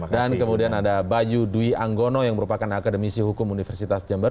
dan kemudian ada bayu dwi anggono yang merupakan akademisi hukum universitas jember